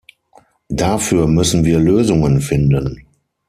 Dafür müssen wir Lösungen finden.